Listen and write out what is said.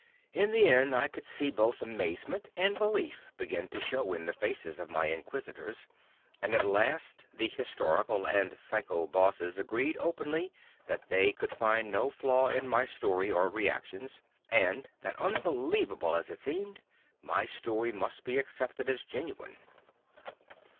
In the end I could see both amazement and belief begin to show in the faces of my inquisitors, and at last the Historical and Psycho Bosses agreed openly that they could find no flaw in my story or reactions, and that unbelievable as it seemed, my story must be accepted as genuine.